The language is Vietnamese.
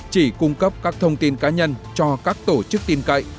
chỉ cung cấp các thông tin cá nhân cho các tổ chức tin cậy